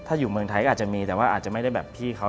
ถ้าอยู่เมืองไทยก็อาจจะมีแต่ว่าอาจจะไม่ได้แบบพี่เขา